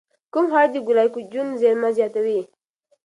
کوم خواړه د ګلایکوجن زېرمه زیاتوي؟